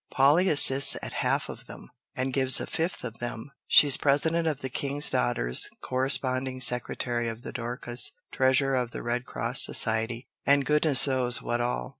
Polly assists at half of them, and gives a fifth of them. She's president of the King's Daughters, corresponding secretary of the Dorcas, treasurer of the Red Cross Society, and goodness knows what all!"